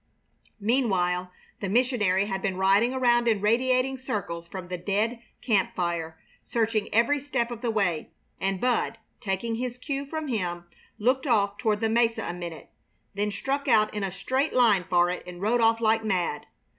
Meanwhile the missionary had been riding around in radiating circles from the dead camp fire, searching every step of the way; and Bud, taking his cue from him, looked off toward the mesa a minute, then struck out in a straight line for it and rode off like mad.